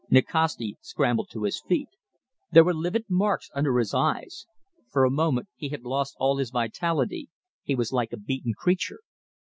Nikasti scrambled to his feet. There were livid marks under his eyes. For a moment he had lost all his vitality, he was like a beaten creature.